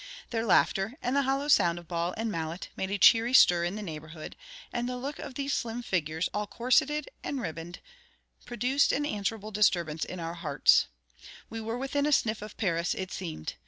Their laughter, and the hollow sound of ball and mallet, made a cheery stir in the neighbourhood; and the look of these slim figures, all corseted and ribboned, produced an answerable disturbance in our hearts. We were within sniff of Paris, it seemed.